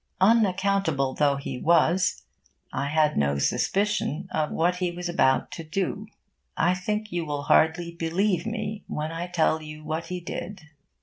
Unaccountable though he was, I had no suspicion of what he was about to do. I think you will hardly believe me when I tell you what he did.